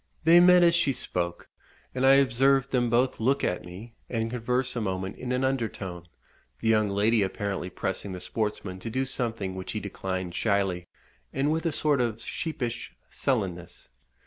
They met as she spoke, and I observed them both look at me, and converse a moment in an under tone, the young lady apparently pressing the sportsman to do something which he declined shyly, and with a sort of sheepish sullenness.